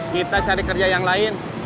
kita cari kerja yang lain